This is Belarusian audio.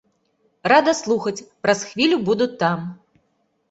Рада слухаць, праз хвілю буду там.